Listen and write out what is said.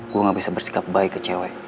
gue gak bisa bersikap baik ke cewek